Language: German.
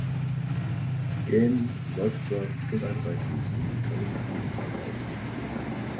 Gähnen, Seufzer und ein Reizhusten können ebenfalls auftreten.